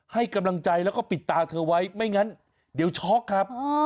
ให้กำลังใจแล้วก็ปิดตาเธอไว้ไม่งั้นเดี๋ยวช็อกครับ